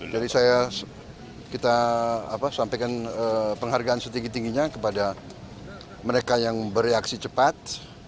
jadi saya sampaikan penghargaan setinggi tingginya kepada mereka yang bereaksi cepat